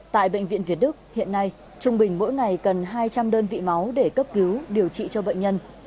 tại bệnh viện việt đức hiện nay trung bình mỗi ngày cần hai trăm linh đơn vị máu để cấp cứu điều trị cho bệnh nhân